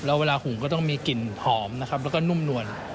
แล้วเวลาหุงก็ต้องมีกลิ่นหอมนะครับแล้วก็นุ่มนวล